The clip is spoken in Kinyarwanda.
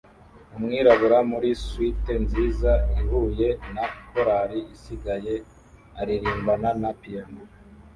Umwirabura muri suite nziza ihuye na korari isigaye aririmbana na piyano